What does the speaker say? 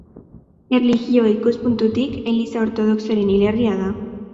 Erlijio ikuspuntutik Eliza Ortodoxoaren hilerria da.